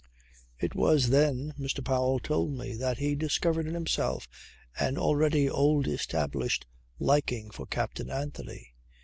It was then, Mr. Powell told me, that he discovered in himself an already old established liking for Captain Anthony.